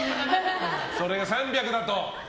それが３００だと？